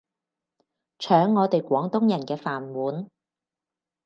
搶我哋廣東人嘅飯碗